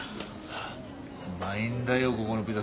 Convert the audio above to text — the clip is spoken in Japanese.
うまいんだよこごのピザ。